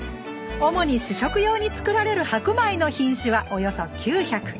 主に主食用につくられる白米の品種はおよそ９００。